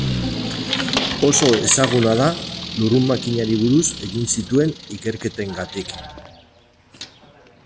Oso ezaguna da lurrun-makinari buruz egin zituen ikerketengatik.